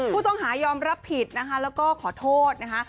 ผู้ต้องหายอมรับผิดนะคะแล้วก็ขอโทษนะคะ